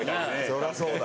そりゃそうだ。